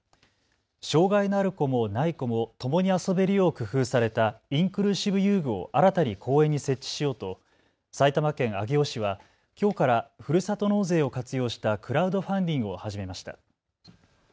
障害のある子もない子もともに遊べるよう工夫されたインクルーシブ遊具を新たに公園に設置しようと埼玉県上尾市はきょうからふるさと納税を活用したクラウドファンディングを始めました。